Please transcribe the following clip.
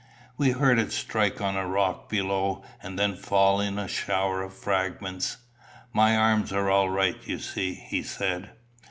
We heard it strike on a rock below, and then fall in a shower of fragments. "My arms are all right, you see," he said.